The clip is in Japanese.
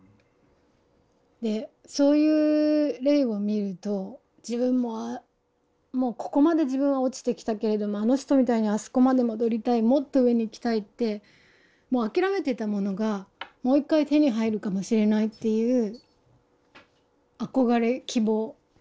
でそういう例を見ると自分ももうここまで自分は落ちてきたけれどもあの人みたいにあそこまで戻りたいもっと上に行きたいってもう諦めてたものがもう一回手に入るかもしれないっていう憧れ希望。